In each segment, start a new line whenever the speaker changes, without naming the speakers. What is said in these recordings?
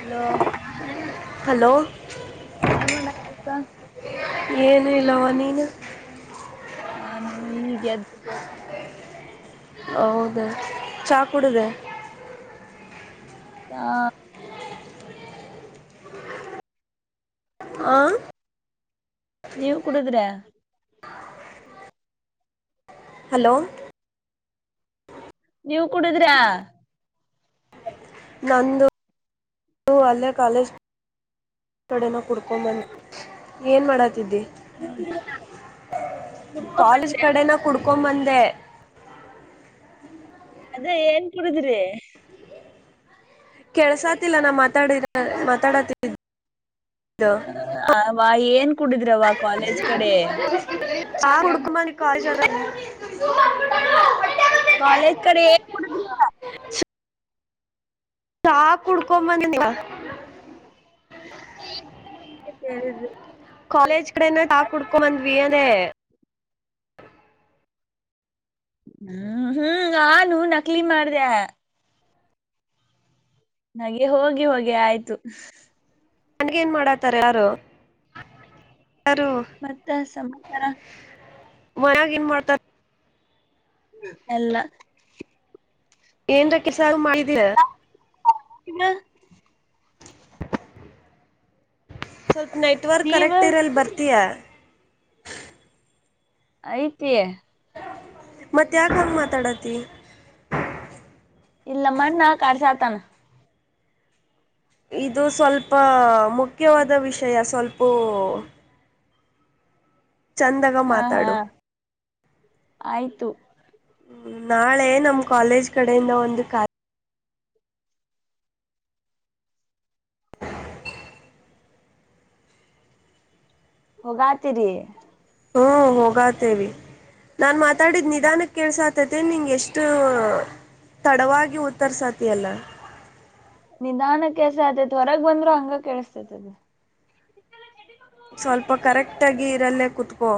[inaudible] Hello
hello
ಎಮ್ಮನಕ್ಕ
ಏನು ಇಲ್ಲವ ನೀನು
ನಾನು ಈಗೆದ [inaudible]
ಹೌದ ಚಾ ಕುೂಡಿದೆ
ಹಾ
ಆ [unintelligible]
ನೀವು ಕುಡುದ್ರೆ
ಹಲೋ
ನೀವು ಕುಡಿದ್ರ
ನಾನಂದು [unintelligible] ಅಲ್ಲೇ ಕಾಲೇಜ್ [unintelligible] ಕಡೆನ ಕುಡ್ಕೊಂಬಂದ ಏನ್ ಮಾಡತಿದ್ದಿ
ಹೌದಾ
[inaudible]
ಕುಡ್ಕೊಂಡ್
ಕಾಲೇಜ್
ಬಂದ್ರ
ಕಡೆನ ಕುಡ್ [unintelligible] [unintelligible] ಕೊಮ್ಮಂದೆ [inaudible]
ಅದೇ ಏನ್ ಕುಡುದ್ರಿ
ಕೆಳ್ಸಾತಿಲ್ಲ ನಾ ಮಾತಾ ಮಾತಾಡತಿದ್ದ
ಅವ್ವ ಏನ್ ಕುಡುದ್ರವ್ವ ಕಾಲೇಜ್ ಕಡೆ
ಆ [unintelligible] [unintelligible] ಕಮಾನ ಕಾಗಲ್ಲ [unintelligible]
ಕಾಲಜ್ ಕಡೆಡ
ಚಾ ಕುಡ್ಕೊಂಬಂದ ನೀವ [inaudible]
ಅಂತ ಕೇಳಿದ್ರು
[inaudible] ಕಾಲೇಜ್ ಕಡೆನ ತಟಾಕ್ ಕುಡ್ಕೊ ಬಂದ್ವಿ ಅದೇ [unintelligible]
ಹ್ಮ್ ಹ್ಮ್ ಆ ನನೂ ನಕ್ಲಿ ಮಾಡ್ದ [unintelligible] ನೆ ಹೋಗಿ ಹೋಗಿ ಆಯ್ತು
ನನ್ಗನ್ ಮಾಡಾತಾರ ಯಾರು
ಮತ್ತೆ ಸಮಾಚಾರ
ಮನ್ಯಾಗನ್ ಮಾಡ್ತಾರ
ಎಲ್ಲ [unintelligible]
ಏನ್ರ ಕೆಸ ಮಾಡಿದೀಯ
ಇನ್ನು [unintelligible]
ಸ್ವಲ್ಪ ನೆಟ್ವರ್ಕ್
ನೀವ
ಕರೆಕ್ಟ್ ಇರಲ್ ಬರ್ತೀಯಾ
ಐತಿ
ಮತ್ತ ಯಾಕ ಮಾತಾಡತಿ
ಇಲ್ಲ ಮಣ್ಣ ಕರ್ಸಾ ಆತಾನ [unintelligible]
ಇದು ಸ್ವಲ್ಪ ಮುಖ್ಯವಾದ ವಿಷಯ ಸ್ವಲ್ಪೂ ಚಂದಗ
ಹಾ ಹಾ
ಮಾತಾಡು
ಆಯ್ತು
ನಾಳೆ ನಮ್ಮ್ ಕಾಲೇಜ್ ಕಡೆಯಿಂದ ಒಂದು ಕ [unintelligible]
ಹೋಗಾತಿರಿ
ಹ್ಮ ಹೋಗಾತೇವಿ ನಾನ್ ಮಾತಾಡಿದ್ ನಿಧಾನಕ್ಕೆ ಕೆೇಸ [unintelligible] [unintelligible] ತೆ ನಿಂಗೆ ಎಷ್ಟು ತಡವಾಗಿ ಉತ್ತರ್ಸತಿಯಲ್ಲ
ನಿಧಾನ ಕೆಸ ಆತೈತ್ ಹೊರಗ್ ಬಂದ್ರರು ಹಂಗ ಕೆೇಳಸ್ತೈತದ [inaudible]
ಸ್ವಲ್ಪ ಕರೆಕ್ಟಾಗಿ ಇದರಲ್ಲೇ ಕುತ್ಕೂ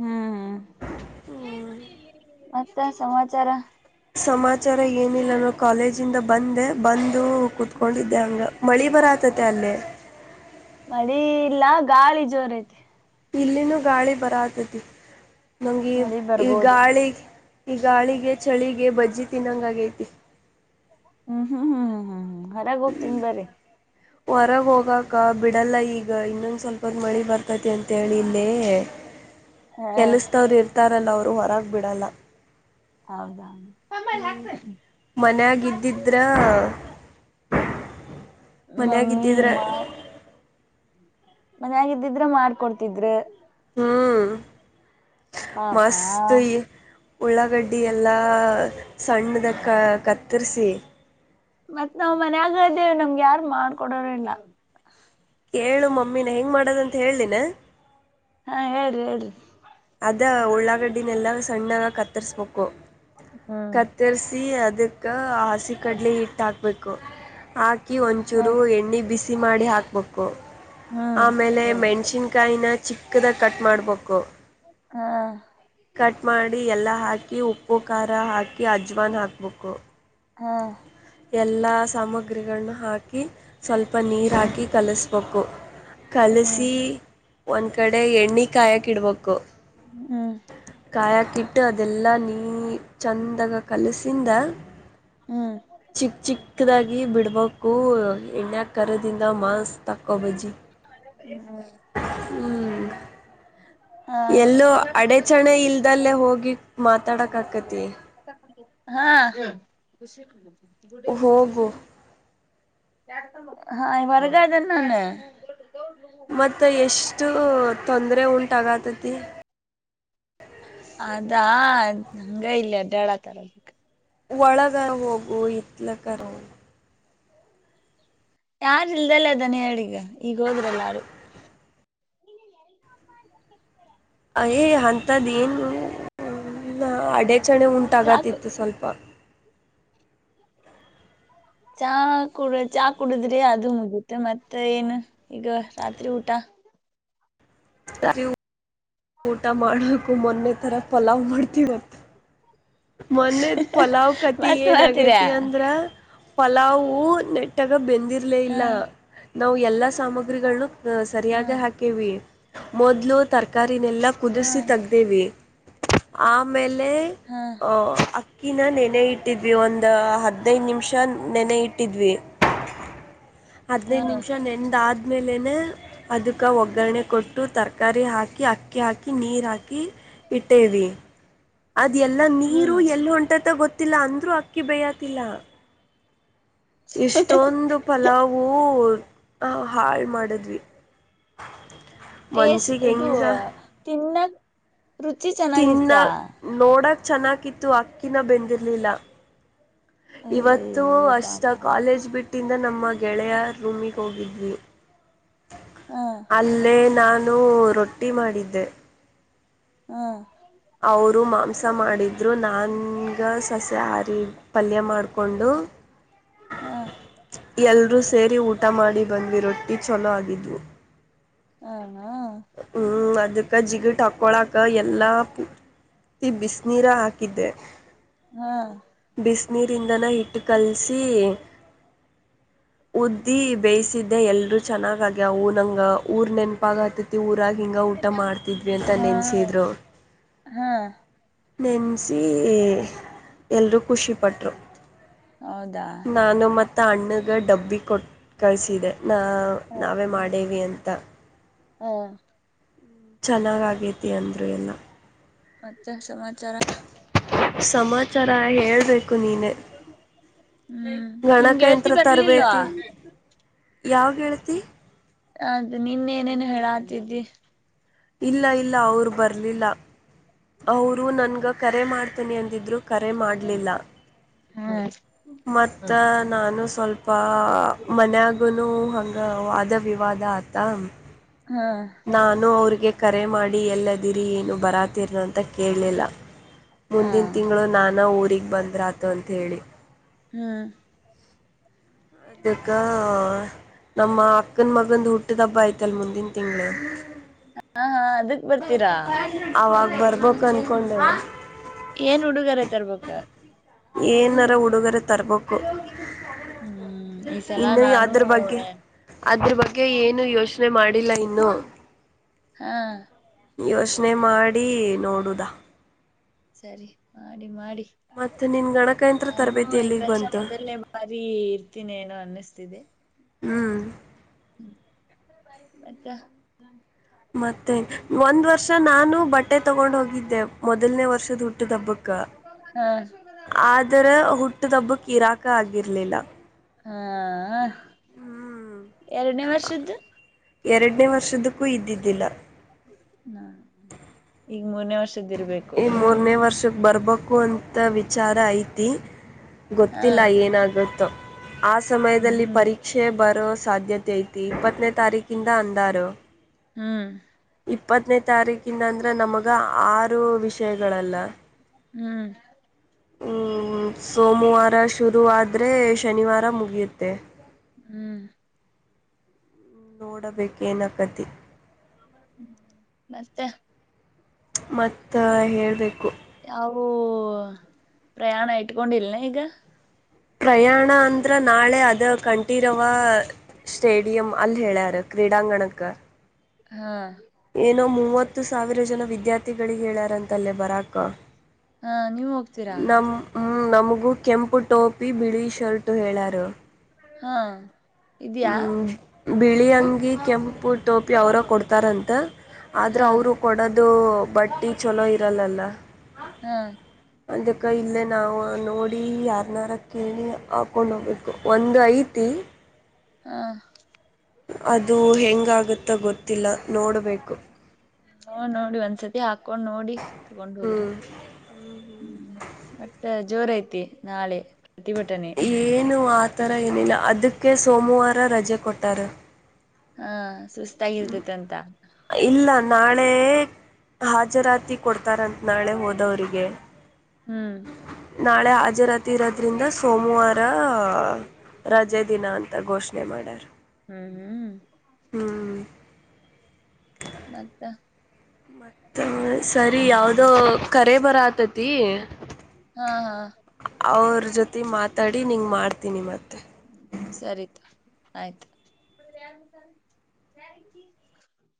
ಹ್ಮ್
ಹ್ಮ
ಮತ್ತೆ ಸಮಾಚಾರ
ಸಮಾಚಾರ ಏನಿಲ್ಲೋ ಕಾಲೇಜ ಇಂದ ಬಂದೆ ಬಂದು ಕುೂತ್ಕೊಂಡಿದ್ದೆ ಹಂಗ ಮಳಿ ಬರ [unintelligible] [unintelligible] ತ್ತಲ್ಲೇ
ಮಳಿ ಇಲ್ಲ ಗಾಳಿ ಜೋರ ಐತಿ
ಇಲ್ಲಿನೂ ಗಾಳಿ ಬರತತಿ ನಮಗೆ
ಮಳಿ
ಈ
ಬರ್ಬೋದು
ಗಾಳಿ ಈ ಗಾಳಿಗೆ ಚಳಿಗೆ ಬಜ್ಜಿ ತಿನ್ನೊಂಗ ಆಗೈತಿ
ಹ್ಮ್ ಹ್ಮ್ ಹ್ಮ್ ಹ್ಮ್ ಹ್ಮ್ ಹ್ಮ್ ಹೊರಾಗ ಹೋಗ್ತೀನಿ ಬ್ರೀ
ಹೊರಗೆ ಹೋಗಕ ಬಿಡಲ್ಲ ಈಗ ಇನ್ನೊಂದ ಸ್ವಲ್ಪೊದ ಮಳಿ ಬರ್ತೈತಿ ಅಂತೇಳಿ ಇಲ್ಲೇ
ಹಾ
ಕೆಲಸ್ದವರು ಇರ್ತಾರಲ್ಲವ ಅವ್ರು ಹೊರಾಗಬಿಡಲ್ಲ
ಹೌದಾ
ಹ್ಮ್ ಮನ್ಗಿದ್ದಿದ್ರ
ಮಮ್ಮಿ ಮ. ಮನ್ಯಗಿದ್ದಿದ್ರೆ ಮಾಡ್ಕೊಡ್ತಿದ್ರರ.
ಹ್ಮ್
ಪಾಪಾ
ಮಸ್ತ ಇ. ಉಳ್ಳಾಗಡ್ಡಿ ಎಲ್ಲ ಸಣ್ಣದ ಕ ಕತ್ತರ್ಸಿ.
ಮತ್ತ್ ನಾವ್ ಮನ್ಯಾಗ್ದೇವ್ ನಮ್ಗ ಯಾರ್ ಮಾಡ್ಕೊಡೋರೆ ಇಲ್ಲ.
ಕೇಳು ಮಮ್ಮೀನ ಹೆಂಗ್ ಮಾಡೋದಂತ ಹೇಳ್ದಿನ.
ಹಾ ಹೇಳ್ರಿ ಹೇಳ್ರಿ.
ಅ ಉಳ್ಳಾಗಡ್ಡಿನೆಲ್ಲ ಸಣ್ಣಾದಗ್ ಕತ್ತರ್ಸ್ಬೇಕು
ಹ್ಮ್
ಕತ್ತರ್ಸಿ ಅ ಅದಕ್ಕ ಹಸಿ ಕಡ್ಲೆ ಹಿಟ್ ಹಾಕ್ಬೇಕು ಹಾಕಿ
ಹಾ
ಒಂಚೂರು ಎಣ್ಣಿ ಬಿಸಿ ಸಿ ಮಾಡಿ ಹಾಕ್ಬೇಕು
ಹ್ಮ್
ಆಮೇಲೆ ಮೆಣ್ಷಿನ್ಕಾಯ್ನ. ಚಿಕ್ಕದಾಗ್ ಕಟ್ ಮಾಡಬಕು.
ಹಾ
ಕಟ್ ಮಾಡಿ ಎಲ್ಲ ಹಾಕಿ ಉಪ್ಪು ಖಾರ ಹಾಕಿ ಅಜ್ವಾನ್ ಹಾಕ್ಬೇಕು.
ಹಾ
ಎಲ್ಲ ಸಾಮಗ್ರಿಗಳನ್ನ ಹಾಕಿ ಸ್ವಲ್ಪ ನೀರ್
ಹ್ಮ್
ಹಾಕಿ ಕಲುಸ್ಬೇಕು.
ಹ್ಮ್
ಕಲಸಿ ಒಂದ್ ಕಡಿ ಎಣ್ಣಿ ಕಾಯಕ್ ಇಡ್ಬೇಕು.
ಹ್ಮ್
ಕಾಯ ಕಿಟ್ ಅದೆಲ್ಲಾ ನೀ. ಚಂದಾಗ ಕಲಸಿಂದ.
ಹ್ಮ್ ಹ್ಮ್
ಚಿಕ್ ಚಿಕ್ಕದಾಗಿ ಬಿಡ್ಬೇಕು ಎಣ್ಯಾ ಕರದಿಂದ ಮಾಸ್ ತಕ್ಕೂ ಬಜಿ
ಹ್ಮ್
ಹ್ಮ್.
ಹಾ
ಎಲ್ಲೋ ಅಡಚಣೆ ಇಲ್ದಲ್ಲೇ ಹೋಗಿ ಮಾತಾಡಕ್ ಆಕತಿ.
ಹಾ
ಹೋಗು
[unintelligible] ಹಾ ವಾರ್ಗ ಅದಿನ್ ನಾನು.
ಮತ್ತ ಎಷ್ಟು ತೊಂದ್ರೆ ಉಂಟ ಆಗತತಿ.
ಅದಾ ನಂಗ ಇಲ್ಲಿ ಅಡ್ಡ್ಯಾಡ ತರ ಅದಕ.
ಒಳಗ ಹೋಗು ಎತ್ಲ ಕರು.
ಯಾರ್ ಇಲ್ದಲ್ಲ ಅದಾನ ಹೇಳ ಈಗ ಈಗ್ ಹೋದ್ರಲ್ಲಾರು.
ಅಯೇ ಅಂತದ್ ಏನು ನ ಅಡೆ. ಚಣೆ
ಚಾಕು
ಉಂಟಾಗತಿತ್ತು ಸ್ವಲ್ಪ.
ಚಾ ಕುಡ ಚಾ ಕುಡುದ್ರಿ ಅದು ಮುಗಿತು ಮತ್ತ ಏನು ಈಗ ರಾತ್ರಿ ಊಟ.
ದ ಇ ಉ ಊಟ ಮಾಡಕು ಮೊನ್ನೆ ತರ ಪಲಾವ್ ಮಾಡ್ತಿವ. ಮೊನ್ನೆದ್ ಪಲಾವ್ ಕತಿ
ಮತ್
ಏಣ್
ಮಾಡ್ತೀರಾ
ಆಗೇತಿ ಅಂದ್ರ. ಪಲವು ನೆಟ್ಟಾಗ ಬೆಂದಿರ್ಲೇ
ಹ
ಇಲ್ಲ ನಾವ್ ಎಲ್ಲ ಸಾಮಗ್ರಿಗಳನ್ನ. ಅ
ಹ
ಸರಿಯಾಗ್ ಹಾಕೇವಿ ಮೊದ್ಲು ತರಕಾರಿನೆಲ್ಲ
ಹ
ಕುದ್ಸಿ ತಗ್ದೇವಿ. ಆಮೇಲೆ
ಹ
ಅಹ ಅಕ್ಕಿನ ನೆನೆ ಇಟ್ಟಿದ್ವಿ ಒಂದ. ಹದ್ನೈದ್ ನಿಮಿಷ ನೆನೆ ಇಟ್ಟಿದ್ವಿ
ಹ
ಹದ್ನೈದ್ ನಿಮಿಷ ನೆನ್ದಾದ್ ಆದ್ಮೇಲೆನೆ ಅದಕ್ಕ ಒಗ್ಗರಣೆ ಕೊಟ್ಟು ತರ್ಕಾರಿ ಹಾಕ್ ಅಕಿ ಅಕ್ಕಿ ಹಾಕಿ ನೀರ ಹಾಕಿ ಇಟ್ಟೇವಿ. ಅದ್ ಎಲ್ಲ ನೀರು
ಹ್ಮ್
ಎಲ್ಲಿ ಹೊಂಟೆತ ಗೊತ್ತಿಲ್ಲ ಅಂದ್ರೂ ಅಕ್ಕಿ ಬೇಯಾತಿಲ್ಲ. ಇಷ್ಟೊಂದು ಪಲಾವು. ಹೌ ಹಾಳ್ ಮಾಡಿದ್ವಿ.
ಟೇಸ್
ಮನ್ಸಿಗೆ
ಇದು
ಹೆಂಗ
ತಿನ್ನಕ್ ರುಚಿ
ತಿನ್ನ
ಚೆನ್ನಾಗಿತ್ತ
ನೋಡಕ್ ಚೆನ್ನಾಗಿತ್ತು ಅಕ್ಕಿನ ಬೆಂದಿರ್ಲಿಲ್ಲ. ಇವತ್ತು
ಅಯ್ಯಯ್ಯೋ
ಅಷ್ಟ
ಪಾಪ
ಕಾಲೇಜ್ ಬಿಟ್ ಟಿನ್ದ ನಮ್ಮ ಗೆಳೆಯ ರೂಮಿಗೆ ಹೋಗಿದ್ವಿ
ಹ
ಅಲ್ಲೇ ನಾನ್ ನೊ ರೊಟ್ಟಿ ಮಾಡಿದ್ದೆ.
ಹ
ಅವ್ರು ಮಾಂಸ ಮಾಡಿದ್ರು ನನ್ಗ ಸಸೆಹಾರಿ. ಪಲ್ಯ ಮಾಡ್ಕೊಂಡು
ಹ
ಎಲ್ರೂ ಸ್ ಸೇರಿ ಊಟ ಮಾಡಿ ಬಂದ್ವಿ ರೊಟ್ಟಿ ಚೊಲೋ ಆಗಿದ್ವು
ಹಾ
ಹ್ಮ್ ಅದಕ್ಕ ಜಿಗ ಹಾಕ್ಕೊಳಾಕ್ಕ ಎಲ್ಲಾ ತ್ತ ಬಿಸಿನೀರ ಹಾಕಿದ್ದೆ
ಹ
ಬಿಸಿನೀರಿಂದನ ಹಿಟ್ಟು ಕಲಸಿ ಉದ್ದಿ ಬೇಯ್ಸಿದ್ದೆ ಎಲ್ರುೂ ಚೆನ್ನಾಗಗ್ಯ ಊ ನಂಗ ಊರ್ ನೆನಪಾಗ ಆತತಿ ಊರಾಗಿ ಹಿಂಗ ಊಟ ಮಾಡ್ತಿದ್ವಿ ಅಂತ
ಹ ಹ
ನೆನ್ಸಿದ್ರು
ಹಾ
ನೆನೆಸಿ ಎಲ್ಲರೂ ಖುಷಿಪಟ್ರು
ಹೌದಾ
ನಾನು ಮತ್ತು ಅಣ್ಣಗೆ ಡಬ್ಬಿ ಕೊಟ್ಟು ಕಳಿಸಿದೆ ನಾ ನಾವೇ ಮಾಡೇವಿ ಅಂತ
ಹಾ
ಚೆನ್ನಾಗಗೇತಿ ಅಂದ್ರು ಎಲ್ಲ
ಅ ಸಮಾಚಾರ
ಸಮಾಚಾರ ಹೇಬೇಕು ನೀನೇ
ಹ್ಮ್ ನಿನ್ ಗೆಳತಿ
ಗಣಕಯಂತ್ರ
ಬರ್ಲಿಲ್ವಾ
ತರಬೇಳ್ತಿ ಯಾವ ಹೇಳ್ತಿ
ಅದು ನಿನ್ನೇಏನೇನು ಹೇಳತಿದ್ದಿ
ಇಲ್ಲ ಇಲ್ಲ ಅವರು ಬರ್ಲಿಲ್ಲ ಅವರು ನನ್ಗ ಕರೆ ಮಾಡ್ತನಿ ಅಂದಿದ್ರು ಕರೆ ಮಾಡಲಿಲ್ಲ
ಹಾ
ಮತ್ತ ನಾನು ಸ್ವಲ್ಪ ಮನ್ಗನು ಹಂಗ ವಾದ ವಿವಾದ ಆತ
ಹಾ
ನಾನು ಅವ್ರಿಗೆ ಕರೆ ಮಾಡಿ ಎಲ್ಲದಿರಿ ಏನು ಬರಾತಿರನ ಅಂತ ಕೇಳಲಿಲ್ಲ ಮುಂದಿನ ತಿಂಗಳು ನಾನ ಊಗ್ ಬಂದ್ರಾತು ಅಂತ ಹೇಳಿ
ಹ್ಮ್
ಅ ನಮ್ಮ ಅಕ್ಕನ್ ಮಗಂದು ಹುಟ್ಟದ ಹಬ್ಬ ಆಯ್ತಲ್ ಮುಂದಿನ ತಿಂಗಳ
ಹ ಹಾ ಅದಕ್ ಬರ್ತೀರಾ
ಬರ್ಬೇಕು ಅಂದ್ಕೊಂಡೆ
ಏನ್ ಹುಡುಗರ ಐತರ್ಬಕ್ಕ
ಏನಾರ ಹುಡುಗರ ತರ್ಬೇಕು
ಹ್ಮ್ ಈ ಸಲ
ಇನ್ನು
ನಾನು
ಅದ್ರ ಬಗ್ಗೆ ಅದ್ರ ಬಗ್ಗೆ ಗೆ ಏನು ಯೋಚನೆ ಮಾಡಿಲ್ಲ ಇನ್ನು
ಹಾ
ಯೋಚನೆ ಮಾಡಿ ನೋಡುದಾ
ಸರಿ ಮಾಡಿ ಮಾಡಿ
ಮತ್ತೆ ನಿನ್ ಗಣಕಯಂತ್ರ
ನಾನು
ತರಬೇತಿ
ಈ
ಎಲ್ಲಿಗ್
ವರ್ಷ
ಬಂತು
ಮೊದಲನೇ ಬಾರಿ ಇರ್ತೀನಿ ಏನೋ ಅನ್ನಿಸ್ತಿದೆ
ಹ್ಮ್
ಹ್ಮ ಮತ್ತ
ಮತ್ತೆ ಒಂದ್ ವರ್ಷ ನಾನು ಬಟ್ಟೆ ತಗೊಂಡ್ ಹೋಗಿದ್ದೆ ಮೊದಲ್ನೇ ವರ್ಷದ ಅಟ್ಟುದಬ್ಬಕ
ಹಾ
ಆದರ ಹುಟ್ಟಿದಬ್ಬ ಕಿರಾಕ ಆಗಿರ್ಲಿಲ್ಲ
ಹಾ
ಹ್ಮ್
ಎರಡನೇ ವರ್ಷದ್ದು
ಎರಡನೇ ವರ್ಷದಕ್ಕೂ ಇದ್ದಿದ್ದಿಲ್ಲ
ಹ ಈಗ ಮೂರ್ನೇ ವರ್ಷದ್ದಿರ್ಬೇಕು
ಈ ಮೂರನೇ ವರ್ಷಕ್ ಬರ್ಬೇಕು ಅಂತ ವಿಚಾರ ಐತಿ ಗೊತ್ತಿಲ್ಲ
ಹ್ಮ್
ಏನಾಗುತ್ತೋ ಆ ಸಮಯದಲ್ಲಿ
ಹ್ಮ್
ಪರೀಕ್ಷೆ ಬರೋ ಸಾಧ್ಯತೆ ಐತಿ ಇಪ್ಪತ್ತನೇ ತಾರೀಕಿಂದ ಅಂದಾರು
ಹ್ಮ್
ಇಪ್ಪತ್ತನೇ ತಾರೀಕಿಂದ ಅಂದ್ರೆ ನಮಗ ಆರು ವಿಷಯಗಳಲ್ಲ
ಹ್ಮ್
ಹ್ಮ್ ಸೋಮವಾರ ಶುರು ಆದ್ರೆ ಶನಿವಾರ ಮುಗಿಯುತ್ತೆ
ಹ್ಮ್
ನೋಡಬೇಕೇನಾಗತಿ
ಮತ್ತೆ
ಮತ್ತ ಹೇಳ್ಬೇಕು
ಯಾವೂ ಪ್ರಯಾಣ ಇಟ್ಕೊಂಡಿಲ್ನಾ ಈಗ
ಪ್ರಯಾಣ ಅಂದ್ರ ನಾಳೆ ಅದ ಕಂಠೀರವ ಸ್ಟೇಡಿಯಂ ಅಲ್ಲಿ ಹೇಳ್ಯಾರಕ್ ಕ್ರೀಡಾಂಗಣಕ್ಕ
ಹಾ
ಏನೋ ಮೂವತ್ತು ಸಾವಿರ ಜನ ವಿದ್ಯಾರ್ಥಿಗಳಿಗೆ ಹೇಳಾರಂತಲ್ಲೇ ಬರಾಕ್ಕ
ಹಾ ನೀವ ಹೋಗ್ತೀರಾ
ನಮಗೂ ಕೆಂಪು ಟೋಪಿ ಬಿಳಿ ಶರ್ಟು ಹೇಳಾರ
ಹಾ ಇದ್ಯಾ
ಬಿಳಿ ಅಂಗಿ ಕೆಂಪು ಟೋಪಿ ಅವರ ಕೊಡ್ತಾರಂತ ಆದ್ರೆ
ಹಾ
ಅವರು ಕೊಡದು ಇದು ಬಟ್ಟಿ ಚಲೋ ಇರಲ್ಲಲ್ಲ
ಹಾ
ಅದಕ್ಕ ಇಲ್ಲೇ ನಾವು ನೋಡಿ ಯಾರ್ನಾರ ಕೇಳಿ ಹಾಕೊಂಡ್ ಹೋಗ್ಬೇಕು ಒಂದ ಐತಿ ಹ
ಹಾ
ಅದು ಹೆಂಗಾಗತ್ತ ಗೊತ್ತಿಲ್ಲ ನೋಡ್ಬೇಕು
ಹ ನೋಡಿ ಒಂದ್ಸತಿ ಹಾಕೊಂಡ್ ನೋಡಿ ತಗೊಂಡ್ ಹೋಗ್ರಿ
ಹ್ಮ್
ಹ್ಮ್ ಮತ್ತೆ ಜೋರ ಐತಿ ನಾಳೆ ಪ್ರತಿಭಟನೆ
ಏನು ಆತರ ಏನಿಲ್ಲ ಅದಕ್ಕೆ ಸೋಮವಾರ ರಜೆ ಕೊಟ್ಟಾರ
ಹಾ ಸುಸ್ತಾಗಿರ್ತತೆ ಅಂತ
ಇಲ್ಲ ನಾಳೆ ಹಾಜರ ಕೊಡ್ತಾರಂತ ನಾಳೆ ಹೋದವರಿಗೆ
ಹ್ಮ್
ನಾಳೆ ಹಾಜರ ರೋದ್ರಿಂದ ಸೋಮವಾರ ರಜೆ ದಿನ ಅಂತ ಘೋಷಣೆ ಮಾಡರು
ಹ್ಮ್ ಹ್ಮ್
ಹ್ಮ್
ಮತ್ತ
ಮತ್ತ ಸರಿ ಯಾವ್ದೋ ಕರೆ ಬರ ಆತತಿ
ಹಾ ಹಾ
ಅವ್ರ ಜೊತೆ ಮಾತಾಡಿ ನಿಂಗೆ ಮಾಡ್ತೀನಿ ಮತ್ತೆ
ಸರಿತ ಆಯ್ತ